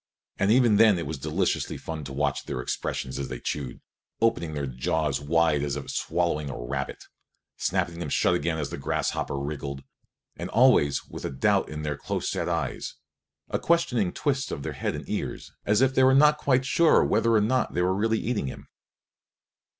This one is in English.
And even then it was deliciously funny to watch their expression as they chewed, opening their jaws wide as if swallowing a rabbit, snapping them shut again as the grasshopper wiggled; and always with a doubt in their close set eyes, a questioning twist of head and ears, as if they were not quite sure whether or not they were really eating him.